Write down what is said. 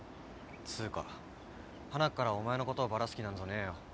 つうかはなっからお前のことをバラす気なんぞねえよ。